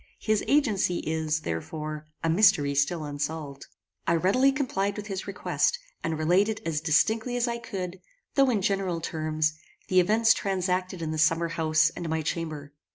His agency is, therefore, a mystery still unsolved." I readily complied with his request, and related as distinctly as I could, though in general terms, the events transacted in the summer house and my chamber.